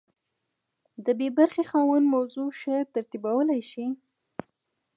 د بي برخې خاوند موضوع ښه ترتیبولی شي.